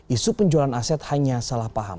isu penjualan aset hanya salah paham